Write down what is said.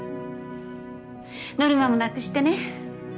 ノルマもなくしてね。